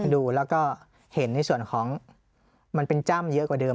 ดูแล้วก็เห็นในส่วนของมันเป็นจ้ำเยอะกว่าเดิม